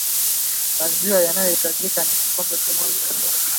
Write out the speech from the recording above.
maziwa yanayohitajika ni kikombe kimoja